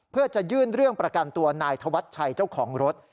เพื่อจะยื่นเรื่องประกันตัวนายธวัชชัยเจ้าของรถ